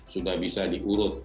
sudah bisa diurut